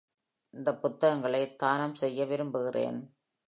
இந்த புத்தகங்களை தானம் செய்ய விரும்புகிறேன்.